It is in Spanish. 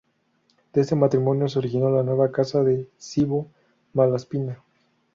De este matrimonio se originó la nueva casa de Cybo-Malaspina.